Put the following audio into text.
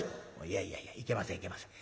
「いやいやいやいけませんいけません。